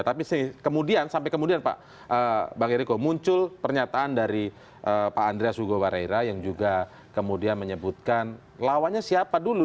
tapi kemudian sampai kemudian pak bang eriko muncul pernyataan dari pak andreas hugowaraira yang juga kemudian menyebutkan lawannya siapa dulu